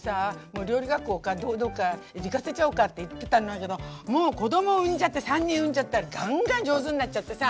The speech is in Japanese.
もう料理学校かどっか行かせちゃおうかって言ってたんだけどもう子供産んじゃって３人産んじゃったらガンガン上手になっちゃってさ。